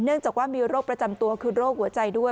จากว่ามีโรคประจำตัวคือโรคหัวใจด้วย